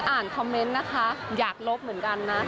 อ่านคอมเมนต์นะคะอยากลบเหมือนกันนะ